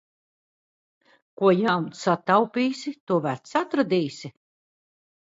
Ko jauns sataupīsi, to vecs atradīsi.